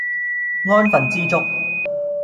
安分知足